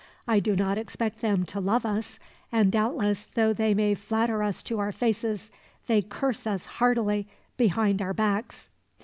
I do not expect them to love us, and doubtless though they may flatter us to our faces, they curse us heartily behind our backs.